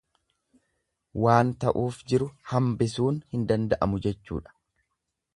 Waan ta'uuf jiru hambisuun hin danda'amu jechuudha.